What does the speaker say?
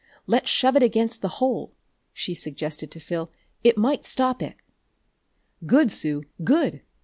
"Let's shove it against the hole!" she suggested to Phil. "It might stop it!" "Good, Sue, good!"